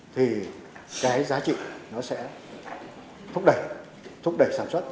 thì cái giá trị nó sẽ thúc đẩy thúc đẩy sản xuất